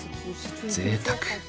ぜいたく！